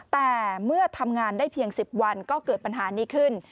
แต่เมื่อทำงานได้เพียง๑๐วันก็เกิดปัญหานี้ขึ้น